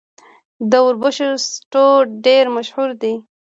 د وربشو سټو ډیر مشهور دی.